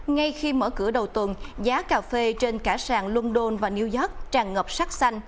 ngay khi mở cửa đầu tuần giá cà phê trên cả sàn london và new york tràn ngập sắc xanh